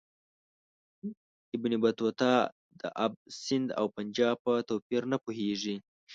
ابن بطوطه د آب سند او پنجاب په توپیر نه پوهیږي.